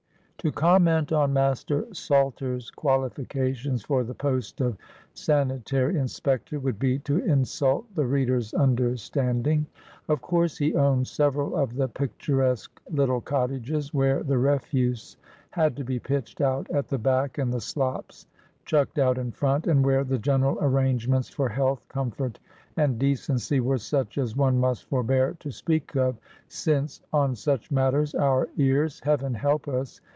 To comment on Master Salter's qualifications for the post of sanitary inspector would be to insult the reader's understanding. Of course he owned several of the picturesque little cottages where the refuse had to be pitched out at the back, and the slops chucked out in front, and where the general arrangements for health, comfort, and decency were such as one must forbear to speak of, since, on such matters, our ears—Heaven help us!